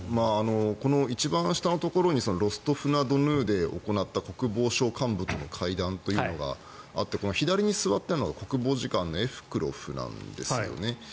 一番下のところにロストフナドヌーで行った国防省幹部との会談というのがあって左に座っているのが国防次官なんですね。